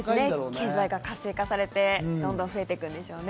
経済が活性化されてどんどん増えていくんでしょうね。